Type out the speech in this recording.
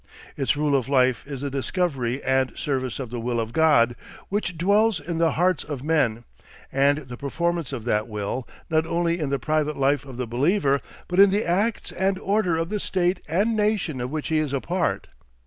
Its rule of life is the discovery and service of the will of God, which dwells in the hearts of men, and the performance of that will, not only in the private life of the believer but in the acts and order of the state and nation of which he is a part.